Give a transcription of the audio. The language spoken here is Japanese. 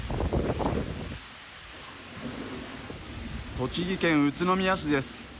栃木県宇都宮市です。